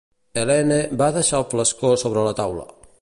Helene va deixar el flascó sobre la taula.